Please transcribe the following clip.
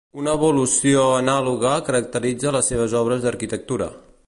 Una evolució anàloga caracteritza les seves obres d'arquitectura.